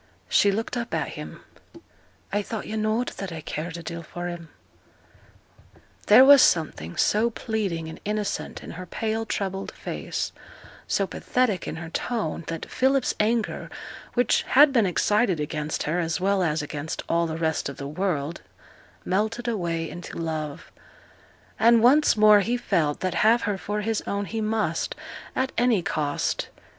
She looked up at him. 'I thought yo' knowed that I cared a deal for him.' There was something so pleading and innocent in her pale, troubled face, so pathetic in her tone, that Philip's anger, which had been excited against her, as well as against all the rest of the world, melted away into love; and once more he felt that have her for his own he must, at any cost.